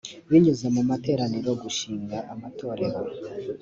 binyuze mu materaniro gushinga amatorero